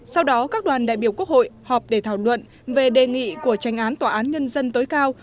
sau đó các đoàn đại biểu quốc hội họp để thảo luận về đề nghị của tranh án tòa án nhân dân tối cao